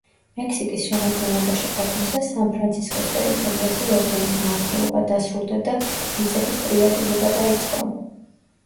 მექსიკის შემადგენლობაში ყოფნისას სან-ფრანცისკოს ტერიტორიაზე ორდენის მმართველობა დასრულდა და მიწების პრივატიზება დაიწყო.